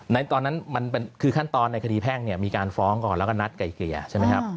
ตอนนั้นมันคือขั้นตอนในคดีแพ่งเนี่ยมีการฟ้องก่อนแล้วก็นัดไกลเกลี่ยใช่ไหมครับ